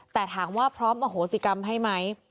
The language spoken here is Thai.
แต่ถามว่าพร้อมอโหสิกรรมให้ไหม